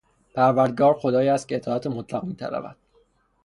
پروردگار خدایی است که اطاعت مطلق میطلبد.